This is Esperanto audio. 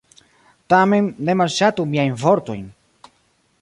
Tamen, ne malŝatu miajn vortojn.